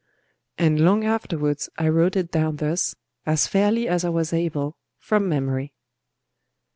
And long afterwards I wrote it down thus, as fairly as I was able, from memory.